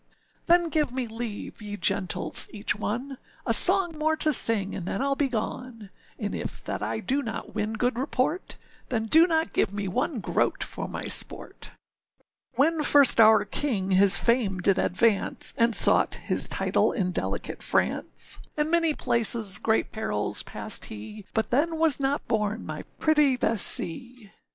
â âThen give me leave, ye gentles each one, A song more to sing and then Iâll begone, And if that I do not win good report, Then do not give me one groat for my sport:â âWhen first our king his fame did advance, And sought his title in delicate France, In many places great perils passed he; But then was not born my pretty Bessee.